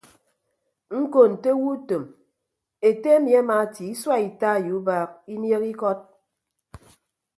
Ñko nte owo utom ete emi amaatie isua ita ye ubaak inieehe ikọt.